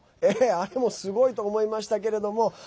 あれもすごいと思いましたけれども。